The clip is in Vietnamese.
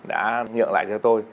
đã nhượng lại cho tôi